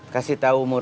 kasih tau murad